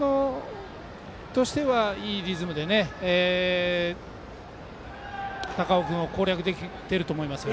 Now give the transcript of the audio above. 慶応としてはいいリズムで高尾君を攻略できてると思います。